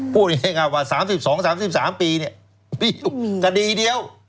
พูดอย่างแบบ๓๒๓๓ปีไม่มีอีกคดีเดียว